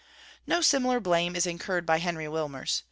No similar blame is incurred by Henry Wilmers.